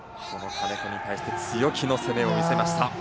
金子に対して強気の攻めを見せました。